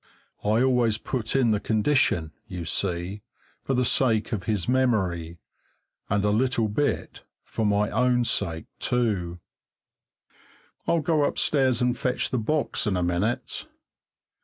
I always put in the condition, you see, for the sake of his memory, and a little bit for my own sake, too. I'll go upstairs and fetch the box in a minute.